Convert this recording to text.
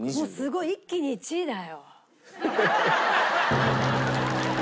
すごい一気に１位だよ。